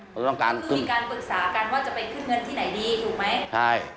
คือมีการปรึกษากันว่าจะไปขึ้นเงินที่ไหนดีถูกไหมใช่